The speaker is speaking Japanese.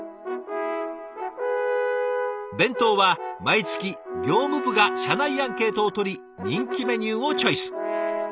弁当は毎月業務部が社内アンケートを取り人気メニューをチョイス。